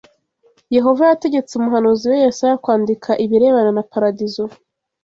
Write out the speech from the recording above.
Yehova yategetse umuhanuzi we Yesaya kwandika ibirebana na paradizo